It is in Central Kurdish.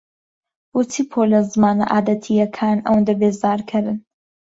بۆچی پۆلە زمانە عادەتییەکان ئەوەندە بێزارکەرن؟